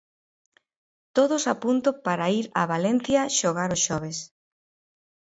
Todos a punto para ir a Valencia xogar o xoves.